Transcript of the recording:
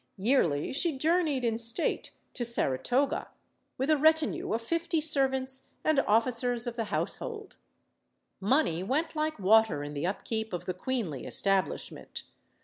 Yearly she journeyed in state to Sara toga, with a retinue of fifty servants and "officers of the household." Money went like water in the upkeep of the queenly establishment.